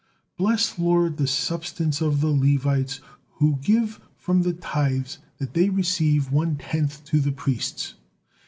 'Bless, Lord, the substance of the Levites who give from the tithes that they receive one tenth to the priests.